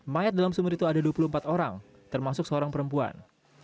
mayat dalam sumur itu ada dua puluh empat orang termasuk seorang perempuan